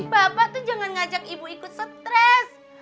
bapak tuh jangan ngajak ibu ikut stres